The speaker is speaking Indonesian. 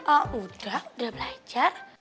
ah udah udah belajar